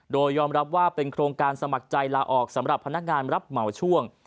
โดยยอมรับว่าเป็นโครงการสมัครใจลาออกสำหรับพนักงานรับเหมาช่วง